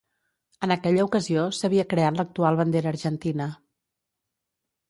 En aquella ocasió s'havia creat l'actual Bandera Argentina.